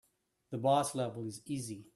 The boss level is easy.